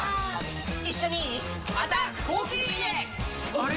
あれ？